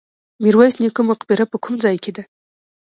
میرویس نیکه مقبره په کوم ځای کې ده؟